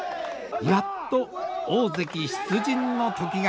やっと大関出陣の時が来ました。